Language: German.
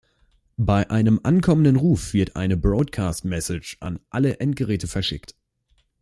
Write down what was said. Bei einem ankommenden Ruf wird eine Broadcast-Message an alle Endgeräte geschickt.